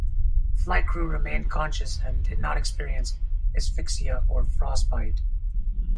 The flight crew remained conscious and did not experience asphyxia or frostbite.